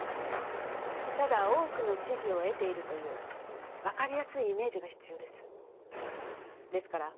ただ多くの支持を得ているという分かりやすいイメージが必要ですですから